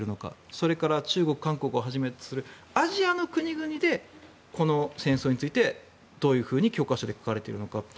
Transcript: それから中国、韓国をはじめとするアジアの国々でこの戦争についてどういうふうに教科書で書かれているのか。